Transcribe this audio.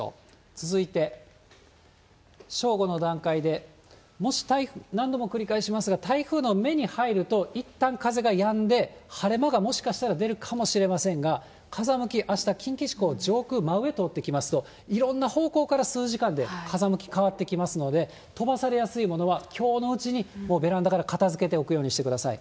続いて正午の段階で、何度も繰り返しますが、台風の目に入ると、いったん風がやんで、晴れ間がもしかしたら出るかもしれませんが、風向き、あした、近畿地方、上空、真上通っていきますと、いろんな方向から数時間で風向き変わってきますので、飛ばされやすいものはきょうのうちにもうベランダから片づけておくようにしてください。